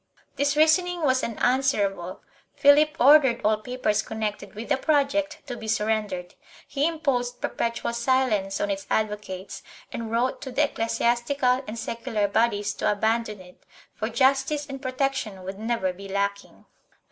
This reasoning was unanswer able; Philip ordered all papers connected with the project to be surrendered; he imposed perpetual silence on its advocates and wrote to the ecclesiastical and secular bodies to abandon it, for justice and protection would never be lacking.